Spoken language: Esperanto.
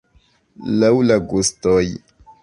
Laŭ la gustoj.